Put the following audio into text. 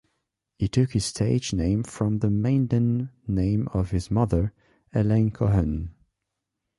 He took his stage name from the maiden name of his mother, Elaine Cohen.